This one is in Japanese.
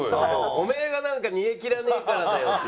おめえがなんか煮えきらねえからだよってね。